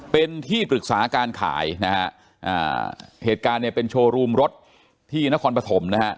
เป็นที่ปรึกษาการขายนะฮะอ่าเหตุการณ์เนี่ยเป็นโชว์รูมรถที่นครปฐมนะฮะ